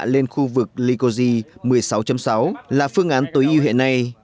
đến khu vực likosi một mươi sáu sáu là phương án tối ưu hiện nay